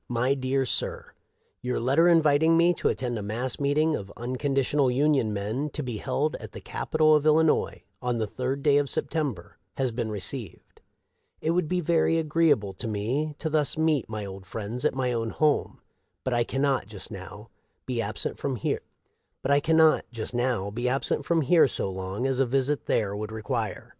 " My Dear Sir :" Your letter inviting me to attend i mass meeting of Unconditional Union men, to be held at the Cap itol of Illinois, on the 3d day of September, has been received. " It would be very agreeable to me to thus meet my old friends at my own home ; but I can not, just now, be absent from, here so long as a visit there would require.